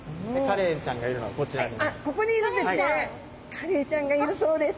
カレイちゃんがいるそうです。